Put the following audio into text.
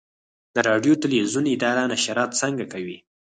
د راډیو تلویزیون اداره نشرات څنګه کوي؟